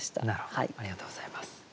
なるほどありがとうございます。